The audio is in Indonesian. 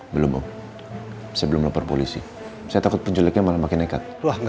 belum sebelum lapor polisi saya takut penculiknya malah makin nekat